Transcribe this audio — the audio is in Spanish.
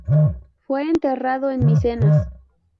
Fue enterrado en Micenas.